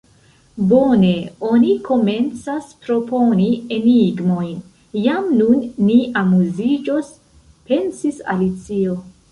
"Bone, oni komencas proponi enigmojn: jam nun ni amuziĝos," pensis Alicio.